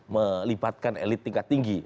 melibatkan elit tingkat tinggi